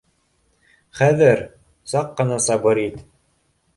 Хәҙер, саҡ ҡына сабыр ит